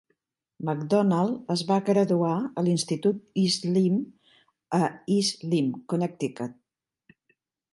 McDonald es va graduar a l'Institut East Lyme, a East Lyme (Connecticut).